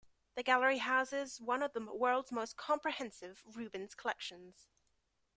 The gallery houses one of the world's most comprehensive Rubens collections.